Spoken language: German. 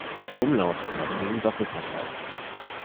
Umlaute tauchen nie im Doppelpack auf.